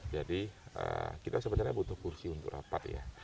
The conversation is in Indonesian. jadi kita sebenarnya butuh kursi untuk rapat ya